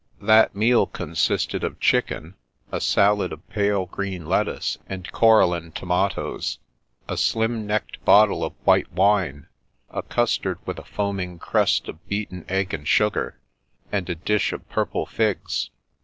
That meal consisted of chicken; a salad of pale green lettuce and coraline tomatoes; a slim necked bottle of white wine ; a custard with a foaming crest of beaten egg and sugar ; and a dish of purple figs.